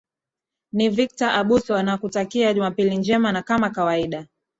ni victor abuso nakutakia jumapili njema na kama kawaida